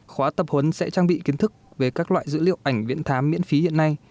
khóa tập huấn sẽ trang bị kiến thức về các loại dữ liệu ảnh viễn thám miễn phí hiện nay